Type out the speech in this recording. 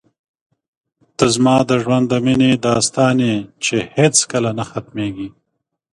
ته زما د ژوند د مینې داستان یې چې هېڅکله نه ختمېږي.